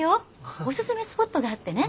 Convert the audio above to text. おすすめスポットがあってね。